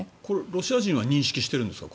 ロシア人は認識しているんですか？